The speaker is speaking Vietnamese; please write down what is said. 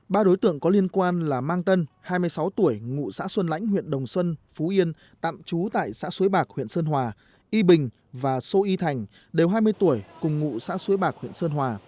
ba đối tượng có liên quan là mang tân hai mươi sáu tuổi ngụ xã xuân lãnh huyện đồng xuân phú yên tạm trú tại xã suối bạc huyện sơn hòa y bình và sô y thành đều hai mươi tuổi cùng ngụ xã suối bạc huyện sơn hòa